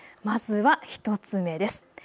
まずは１つ目です。